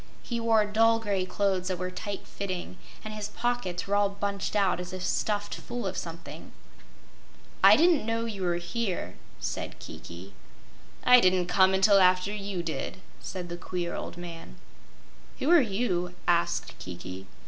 He wore dull gray clothes that were tight fitting, and his pockets were all bunched out as if stuffed full of something. "I didn't know you were here," said Kiki. "I didn't come until after you did," said the queer old man. "Who are you?" asked Kiki.